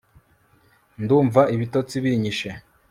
ndumva ibitotsi binyishe